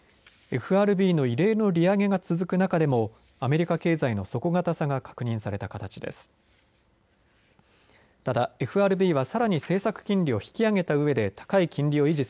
ＦＲＢの異例の利上げが続く中でもアメリカ経済の底堅さが確認された形です。